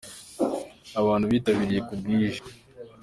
Abantu bitabiriye ku bwinji.